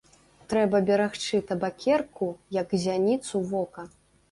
Трэба берагчы табакерку як зяніцу вока.